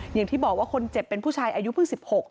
อย่างที่บอกว่าคนเจ็บเป็นผู้ชายอายุเพิ่ง๑๖